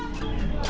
tiga dua tiga